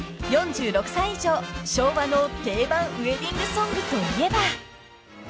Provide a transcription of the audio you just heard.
［４６歳以上昭和の定番ウエディングソングといえば］